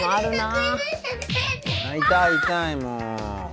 痛い痛いもう。